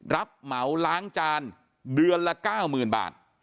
รับเหมาล้างจานเดือนละ๙๐๐๐บาท